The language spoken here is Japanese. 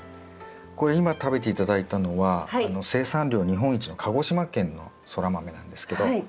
これ今食べて頂いたのは生産量日本一の鹿児島県のソラマメなんですけど。